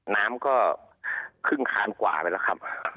น้ำก็ครึ่งคานกว่าไปแล้วครับ